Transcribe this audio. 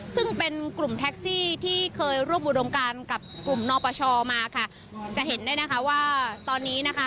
ซึ่งเป็นกลุ่มแท็กซี่ที่เคยร่วมอุดมการกับกลุ่มนอปชมาค่ะจะเห็นได้นะคะว่าตอนนี้นะคะ